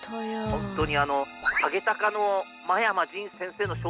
ホントに。